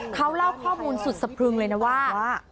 เขาเล่าข้อมูลสุดสะพรึงเลยนะว่า